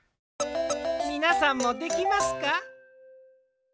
みなさんもできますか？